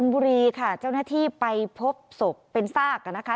บุรีค่ะเจ้าหน้าที่ไปพบศพเป็นซากอ่ะนะคะ